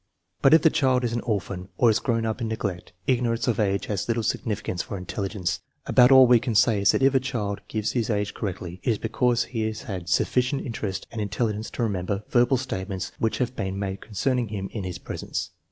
But if the child is an orphan or has grown up in neglect, ignorance of age has little significance for intelligence. About all we can say is that if a child gives his age cor rectly, it is because he has had sufficient interest and in telligence to remember verbal statements which have been made concerning him in his presence.